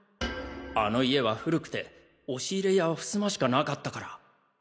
あの家は古くて押し入れや襖しかなかったから。